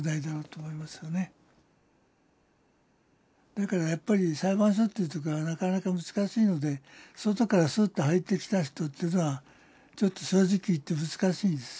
だからやっぱり裁判所というところはなかなか難しいので外からスッと入ってきた人というのはちょっと正直言って難しいんです。